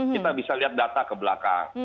kita bisa lihat data ke belakang